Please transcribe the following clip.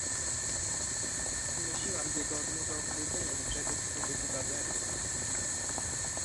"Wnosiłam z jego odmowy opowiedzenia mi czegoś z pobytu w Ameryce."